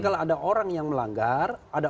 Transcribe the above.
kalau ada orang yang melanggar ada